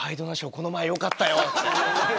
この前良かったよって。